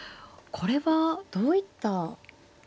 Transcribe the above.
これはどういった。